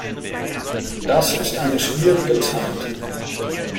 Das ist eine schwierige Zeit.